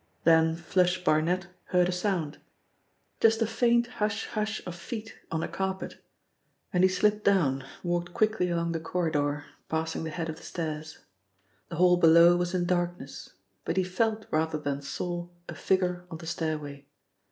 Then 'Flush' Barnet heard a sound. Just a faint "hush hush" of feet on a carpet, and he slipped down, walked quickly along the corridor, passing the head of the stairs. The hall below was in darkness, but he felt rather than saw a figure on the stairway.